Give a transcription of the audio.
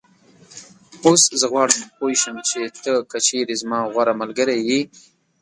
اوس زه غواړم پوی شم چې ته که چېرې زما غوره ملګری یې